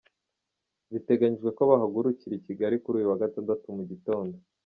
Biteganyijwe ko bahaguruka i Kigali kuri uyu wa gatandatu mu gitondo.